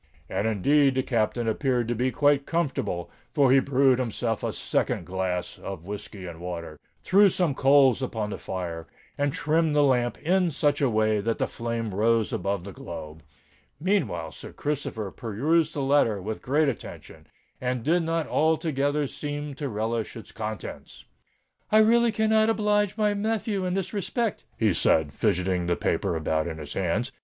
And indeed the Captain appeared to be quite comfortable; for he brewed himself a second glass of whiskey and water—threw some coals upon the fire—and trimmed the lamp in such a way that the flame rose above the globe. Meantime Sir Christopher perused the letter with great attention, and did not altogether seem to relish its contents. "I really cannot oblige my nephew in this respect," he said, fidgetting the paper about in his hands.